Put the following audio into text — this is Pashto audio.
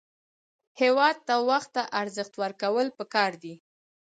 هېواد ته وخت ته ارزښت ورکول پکار دي